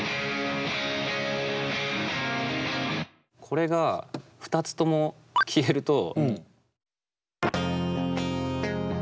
これが２つとも消えると。